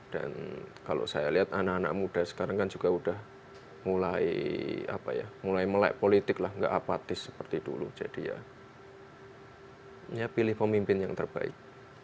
dan kalau saya lihat anak anak muda sekarang kan juga udah mulai apa ya mulai melak politik lah nggak apatis seperti dulu jadi ya ya pilih pemimpin yang terbaik